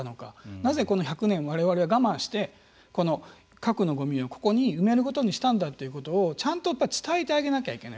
なぜこの１００年われわれは我慢してこの核のごみをここに埋めることにしたんだということをちゃんと伝えてあげなきゃいけない。